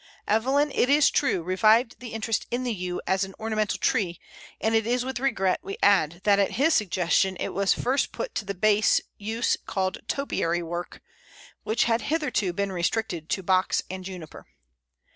Evelyn, it is true, revived the interest in the Yew as an ornamental tree, and it is with regret we add that at his suggestion it was first put to the base use called topiary work, which had hitherto been restricted to Box and Juniper.